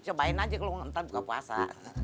cobain aja kalau entah buka puasa